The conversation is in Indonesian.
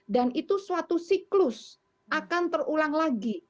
dan itu suatu siklus akan terulang lagi